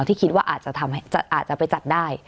ที่คิดว่าอาจจะไปจัดได้